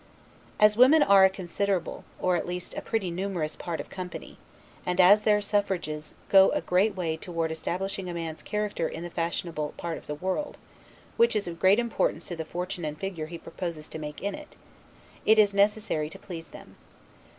As women are a considerable, or, at least a pretty numerous part of company; and as their suffrages go a great way toward establishing a man's character in the fashionable part of the world (which is of great importance to the fortune and figure he proposes to make in it), it is necessary to please them.